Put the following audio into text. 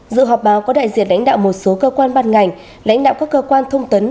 dự họp báo có đại diện lãnh đạo một số cơ quan ban ngành lãnh đạo các cơ quan thông tấn